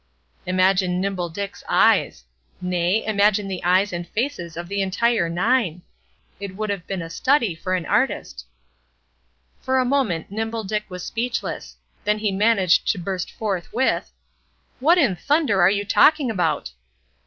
Imagine Nimble Dick's eyes! Nay, imagine the eyes and faces of the entire nine! It would have been a study for an artist. For a moment Nimble Dick was speechless; then he managed to burst forth with: "What in thunder are you talking about?"